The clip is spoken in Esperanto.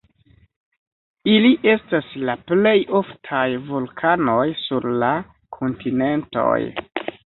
Ili estas la plej oftaj vulkanoj sur la kontinentoj.